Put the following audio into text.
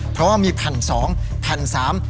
เพราะว่ามีแผ่นสองแผ่นสาม